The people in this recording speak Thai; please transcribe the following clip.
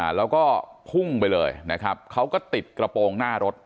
แล้วก็พุ่งไปเลยนะครับเขาก็ติดกระโปรงหน้ารถ